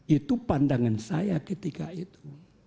itu pandangan saya ketika itu